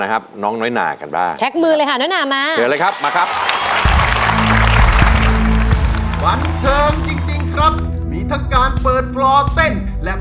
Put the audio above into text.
เหตุชะไหนถึงไม่เวทนา